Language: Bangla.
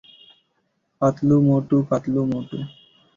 পাতলু, মোটু, পাতলু, মোটু।